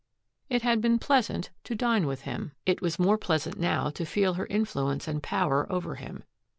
It had been pleasant to dine with him. It was more pleasant now to feel her influence and power over him.